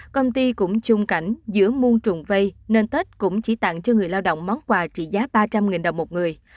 công ty cũng chung cảnh giữa muôn trùng vây nên tết cũng chỉ tặng cho người lao động món quà trị giá ba trăm linh đồng một người